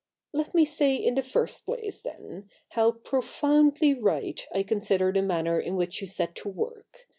' Let me say in the first place, then, how profoundly right I consider the manner in which you set to work.